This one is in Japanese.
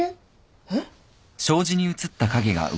えっ？